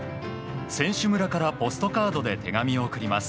選手村からポストカードで手紙を送ります。